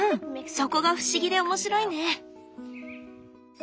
そこが不思議で面白いね！